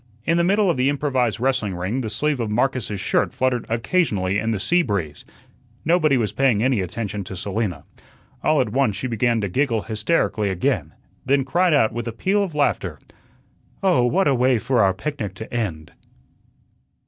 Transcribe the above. In the middle of the improvised wrestling ring the sleeve of Marcus's shirt fluttered occasionally in the sea breeze. Nobody was paying any attention to Selina. All at once she began to giggle hysterically again, then cried out with a peal of laughter: "Oh, what a way for our picnic to end!"